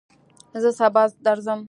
زه سبا درځم